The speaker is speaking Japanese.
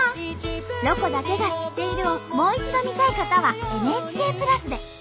「ロコだけが知っている」をもう一度見たい方はＮＨＫプラスで。